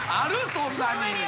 そんなに。